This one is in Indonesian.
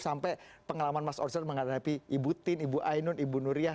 sampai pengalaman mas ozon menghadapi ibu tin ibu ainun ibu nuriyah